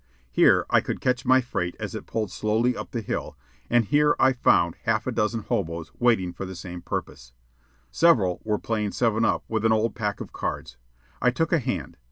Here I could catch my freight as it pulled slowly up the hill, and here I found half a dozen hoboes waiting for the same purpose. Several were playing seven up with an old pack of cards. I took a hand.